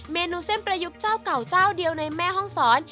เมนูเส้นประยุกต์เจ้าเก่าเจ้าเดียวในแม่ห้องศร